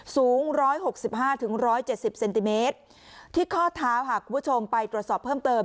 สูงร้อยหกสิบห้าถึงร้อยเจ็ดสิบเซนติเมตรที่ข้อเท้าหักผู้ชมไปตรวจสอบเพิ่มเติม